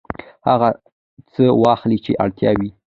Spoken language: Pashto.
هغه څه واخلئ چې اړتیا وي.